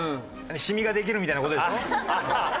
シミができるみたいな事でしょ？